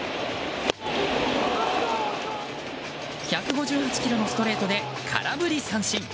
１５８キロのストレートで空振り三振。